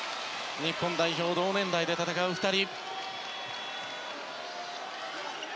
日本代表の同年代で戦う２人。